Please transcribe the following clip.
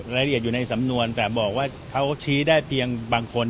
ละเอียดอยู่ในสำนวนแต่บอกว่าเขาชี้ได้เพียงบางคน